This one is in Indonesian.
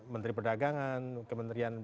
menteri perdagangan kementerian